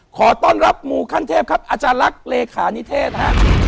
ขอต้อนรับมูขั้นเทพครับอาจารย์ลักษณ์เลขานิเทศฮะ